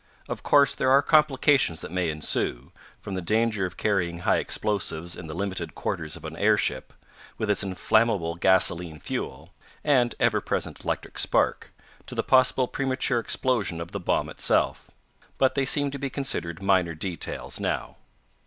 Of course there are complications that may ensue, from the danger of carrying high explosives in the limited quarters of an airship, with its inflammable gasoline fuel, and ever present electric spark, to the possible premature explosion of the bomb itself. But they seem to be considered minor details now.